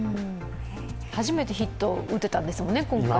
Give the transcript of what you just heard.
初めてヒットを打てたんですもんね、今回。